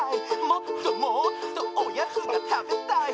「もっともっとおやつがたべたい」